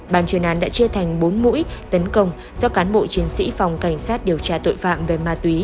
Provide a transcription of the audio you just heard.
bàn chuyên án đã chia thành bốn mũi tấn công do cán bộ chiến sĩ phòng cảnh sát điều tra tội phạm về ma túy